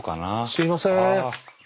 すいません